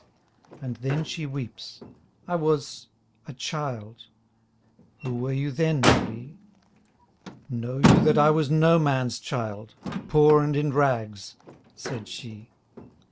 And then she weeps : I was — a child — Who were you then, Marie? Know you that I was no man's child. Poor and in rags — said she.